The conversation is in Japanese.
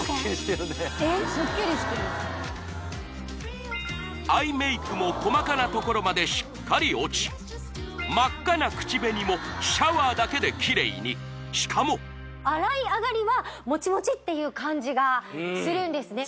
いやスッキリしてるねアイメイクも細かなところまでしっかり落ち真っ赤な口紅もシャワーだけでキレイにしかも洗いあがりはモチモチっていう感じがするんですね